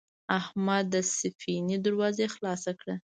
احمد د سفینې دروازه خلاصه کړه.